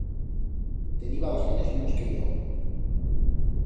Teniba dos anyos menos que yo.